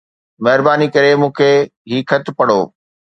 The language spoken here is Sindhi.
مهرباني ڪري مون کي هي خط پڙهو